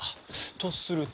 とすると。